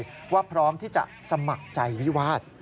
จำเลยว่าพร้อมที่จะสมัครใจวิวาด